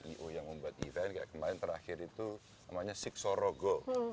ceo yang membuat event kayak kemarin terakhir itu namanya sik sorogo